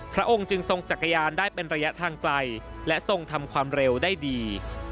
พระองค์จึงทรงจักรยานได้เป็นระยะทางไกลและทรงทำความเร็วได้ดี